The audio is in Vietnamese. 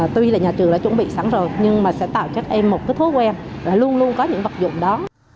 tuy là nhà trường đã chuẩn bị sẵn rồi nhưng mà sẽ tạo cho các em một cái thói quen luôn luôn có những vật dụng đó